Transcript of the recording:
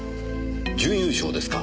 準優勝ですか。